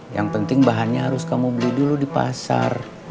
yang penting bahannya harus kamu beli dulu di pasar